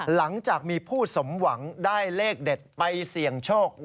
หลังจากมีผู้สมหวังได้เลขเด็ดไปเสี่ยงโชค